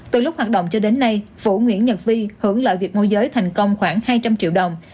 từ lúc hoạt động cho đến nay vũ nguyễn nhật vi hưởng lợi việc môi giới thành công khoảng hai trăm linh triệu đồng